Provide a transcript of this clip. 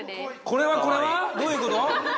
◆これはこれは、どういうこと。